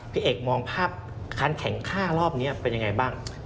พี่เอกมองภาพการแข็งค่ารอบนี้เป็นยังไงบ้าง